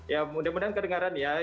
ya mudah mudahan kedengaran ya